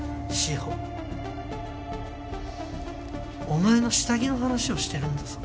お前の下着の話をしてるんだぞ。